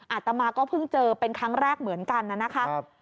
อาตมาก็เพิ่งเจอเป็นครั้งแรกเหมือนกันนะครับ